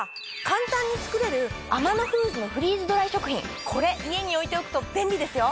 簡単に作れるアマノフーズのフリーズドライ食品これ家に置いておくと便利ですよ！